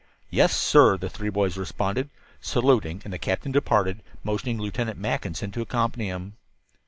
"Yes, sir," the three boys responded, saluting, and the captain departed, motioning Lieutenant Mackinson to accompany him.